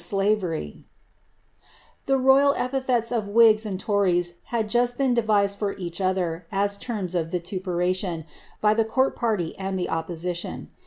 • al epithets of whigs and tones had just been devised for each lerros of vituperation, by the court party and the opposition.